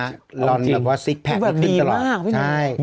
ร้อนแบบว่าซิคแพทย์มันขึ้นตลอด